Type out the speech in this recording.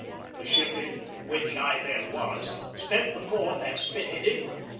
The ship in which I then was spent that Fourth at Spithead, England.